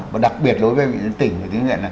và đặc biệt lối với tuyến tỉnh